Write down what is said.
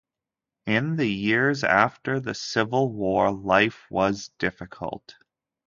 In the years after the civil war life was difficult.